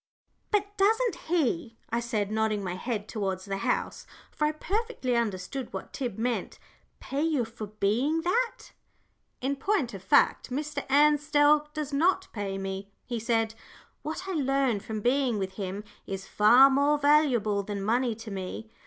"But doesn't he," I said, nodding my head towards the house, for I perfectly understood what Tib meant, "pay you for being that?" "In point of fact Mr. Ansdell does not pay me," he said. "What I learn from being with him is far more valuable than money to me.